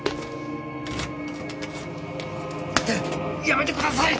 やめてください！